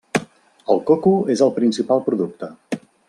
El coco és el principal producte.